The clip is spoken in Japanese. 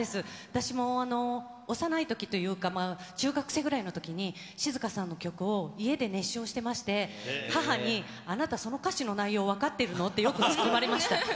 私も幼いときというか、中学生ぐらいのときに、静香さんの曲を家で熱唱してまして、母にあなた、その歌詞の内容分かってるのって、よく突っ込まれました。